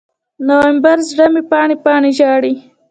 نومبره، زړه مې پاڼې، پاڼې ژاړي